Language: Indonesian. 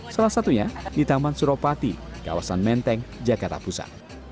salah satunya di taman suropati kawasan menteng jakarta pusat